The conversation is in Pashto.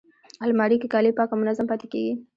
الماري کې کالي پاک او منظم پاتې کېږي